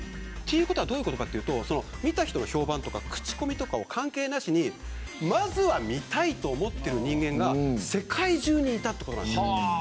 どういうことかというと見た人の評判とか口コミとか関係なしにまずは見たいと思っている人間が世界中にいたということです。